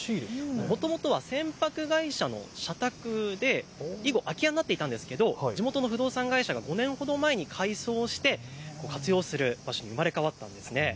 もともとは船舶会社の社宅で以後、空き家になっていたんですが地元の不動産会社が５年ほど前に改装して活用する場所に生まれ変わったんです。